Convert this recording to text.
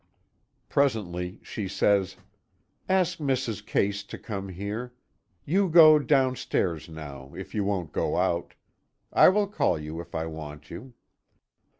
Presently she says: "Ask Mrs. Case to come here. You go down stairs now, if you won't go out. I will call you if I want you."